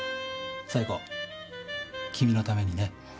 冴子君のためにね。